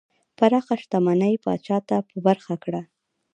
پراخه شتمنۍ پاچا ته په برخه کړه.